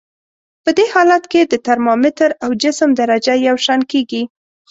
په دې حالت کې د ترمامتر او جسم درجه یو شان کیږي.